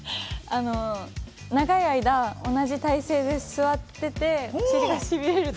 長い間、同じ体勢で座っていて、しびれる。